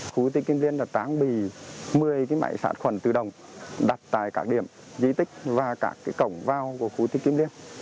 khu tiết kiêm liên là tráng bì một mươi cái máy sát khuẩn tự động đặt tại các điểm dĩ tích và các cái cổng vào của khu tiết kiêm liên